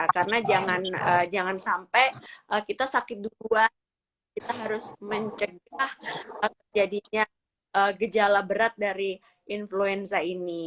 karena jangan sampai kita sakit dua kita harus mencegah kejadian gejala berat dari influenza ini